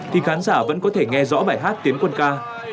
thì khán giả vẫn có thể nghe rõ bài hát tiến quân ca